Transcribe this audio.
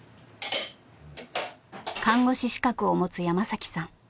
看護師資格を持つ山さん。